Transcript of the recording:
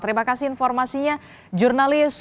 terima kasih informasinya jurnalis kondisi darurat